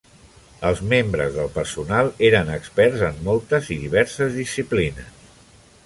Els membres del personal eren experts en moltes i diverses disciplines.